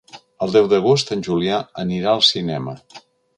El deu d'agost en Julià anirà al cinema.